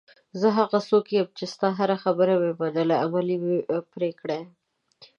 زه هغه څوک یم چې ستا هره خبره مې منلې، عمل مې پرې کړی.